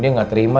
dia gak terima